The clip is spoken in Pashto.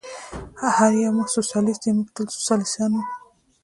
هر یو مو سوسیالیست دی، موږ تل سوسیالیستان و.